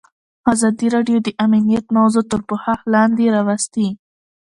ازادي راډیو د امنیت موضوع تر پوښښ لاندې راوستې.